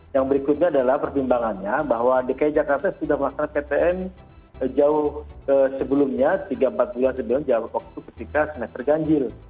yang berikutnya adalah pertimbangannya bahwa dki jakarta sudah melaksanakan ptm jauh sebelumnya tiga empat bulan sebelum jadwal waktu ketika semester ganjil